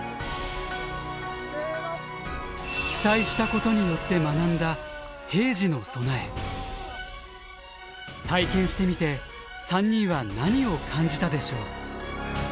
被災したことによって学んだ体験してみて３人は何を感じたでしょう？